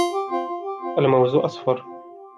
الموز أصفر.